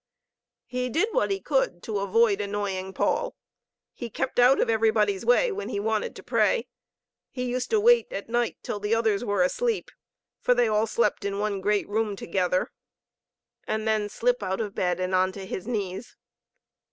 He did what he could to avoid annoying Paul. He kept out of everybody's way when he wanted to pray. He used to wait at night till the others were asleep, for they all slept in one great room together, and then slip out of bed and on to his knees.